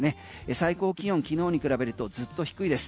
最高気温、きのうに比べるとずっと低いです。